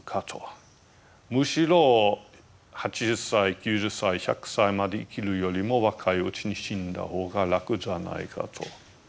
むしろ８０歳９０歳１００歳まで生きるよりも若いうちに死んだ方が楽じゃないかと。